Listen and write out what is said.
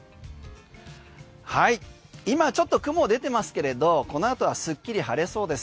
今ちょっと雲出てますけれどこのあとはすっきり晴れそうです。